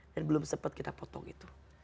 dan belum sempat kita potong itu